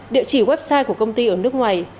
địa chỉ website của công ty ở nước ngoài